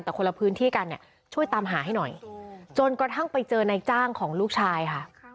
แต่คนละพื้นที่กันเนี่ยช่วยตามหาให้หน่อยจนกระทั่งไปเจอนายจ้างของลูกชายค่ะ